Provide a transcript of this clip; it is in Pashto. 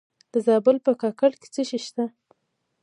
د زابل په کاکړ کې څه شی شته؟